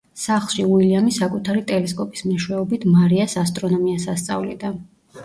სახლში, უილიამი საკუთარი ტელესკოპის მეშვეობით, მარიას ასტრონომიას ასწავლიდა.